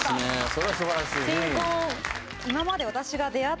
それはすばらしいああ